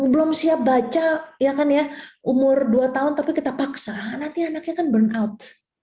belum siap baca umur dua tahun tapi kita paksa nanti anaknya kan burn out